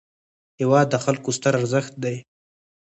هېواد د خلکو ستر ارزښت دی.